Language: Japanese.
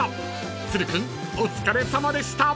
［都留君お疲れさまでした］